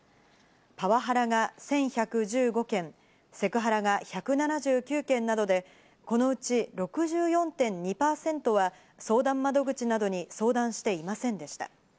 パワハラが１１１５件、セクハラが１７９件などで、このうち６４．２％は相談窓口などに相談していませんでした。